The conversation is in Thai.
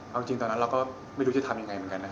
เอาจริงตอนนั้นไม่รู้จะทำอย่างไรเหมือนกัน